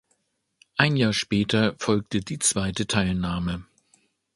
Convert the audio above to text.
Ein Jahr später folgte die zweite Teilnahme.